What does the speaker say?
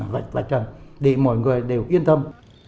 vậy là trời để mọi người đều yên tâm